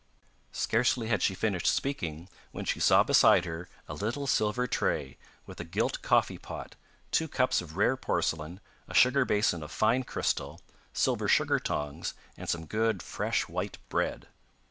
Scarcely had she finished speaking when she saw beside her a little silver tray with a gilt coffee pot, two cups of rare porcelain, a sugar basin of fine crystal, silver sugar tongs, and some good fresh white bread.